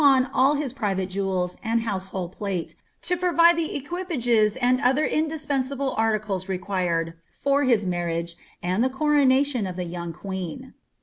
137 to pftwn all his private jewels and household plate, to provide the equi pages and other iiifhspensable articles i^uirct], for his iiiarri:ige, and the coronation of the young queen.